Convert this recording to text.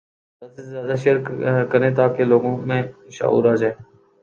زیادہ سے زیادہ شیئر کریں تاکہ لوگوں میں شعور آجائے